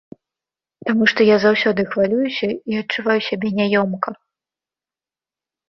Таму што я заўсёды хвалююся і адчуваю сябе няёмка.